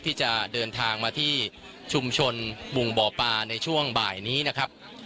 ที่จะเดินทางมาที่ชุมชนบุงบ่อปลาในช่วงบ่ายนี้นะครับ